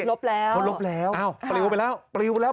รบแล้วอ้าวปริวไปแล้วปริวแล้ว